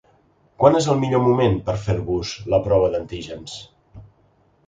Quan és el millor moment per a fer-vos la prova d’antígens?